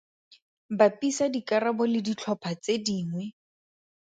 Bapisa dikarabo le ditlhopha tse dingwe.